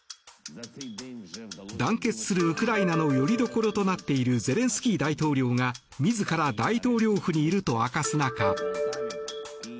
団結するウクライナのよりどころとなっているゼレンスキー大統領が自ら大統領府にいると明かす中。